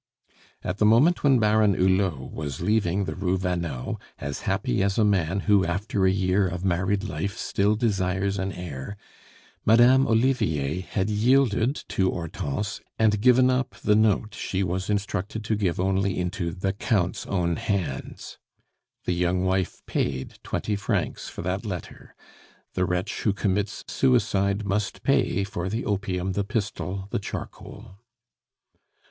At the moment when Baron Hulot was leaving the Rue Vanneau, as happy as a man who after a year of married life still desires an heir, Madame Olivier had yielded to Hortense, and given up the note she was instructed to give only into the Count's own hands. The young wife paid twenty francs for that letter. The wretch who commits suicide must pay for the opium, the pistol, the charcoal.